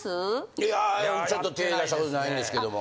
いやちょっと手ぇ出したことないんですけども。